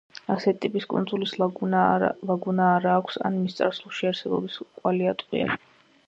ასეთი ტიპის კუნძულს ლაგუნა არა აქვს ან მისი წარსულში არსებობის კვალი ატყვია.